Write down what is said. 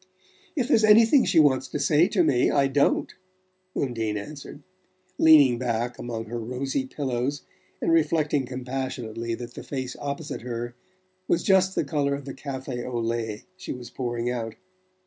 "If there's anything she wants to say to me, I don't," Undine answered, leaning back among her rosy pillows, and reflecting compassionately that the face opposite her was just the colour of the café au lait she was pouring out.